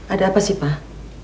ada apa sih pak